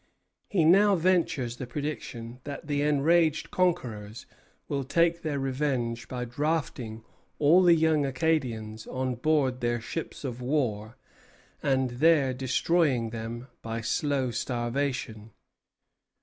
He now ventures the prediction that the enraged conquerors will take their revenge by drafting all the young Acadians on board their ships of war, and there destroying them by slow starvation.